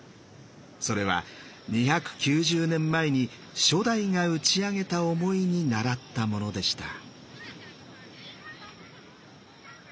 それは２９０年前に初代が打ち上げた思いにならったものでした。